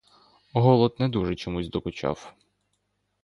Голод не дуже чомусь докучав.